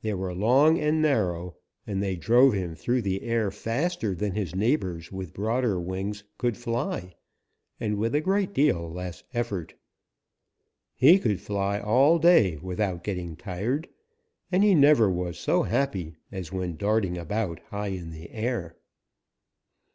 They were long and narrow, and they drove him through the air faster than his neighbors with broader wings could fly and with a great deal less effort. He could fly all day without getting tired, and he never was so happy as when darting about high in the air.